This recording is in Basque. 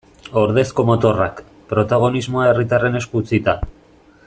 Ordezko motorrak, protagonismoa herritarren esku utzita.